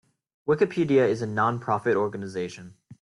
Wikipedia is a non-profit organization.